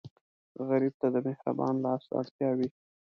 غریب ته د مهربان لاس اړتیا وي